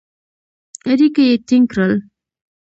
اړیکي یې ټینګ کړل.